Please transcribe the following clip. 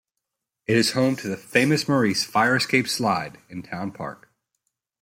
It is home to the "Famous Maurice Fire Escape Slide" in the town park.